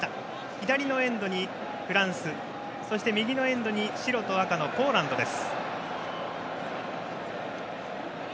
左のエンドにフランス右のエンドに白と赤のポーランドです。